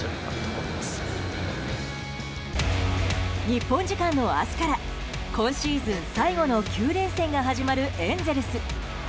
日本時間の明日から今シーズン最後の９連戦が始まるエンゼルス。